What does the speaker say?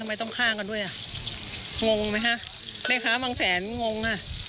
ไม่ต้องฆ่ากันด้วยอ่ะงงไหมคะแม่ค้าบางแสนงงอ่ะ